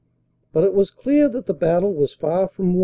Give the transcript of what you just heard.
But it was clear that the battle was far from won.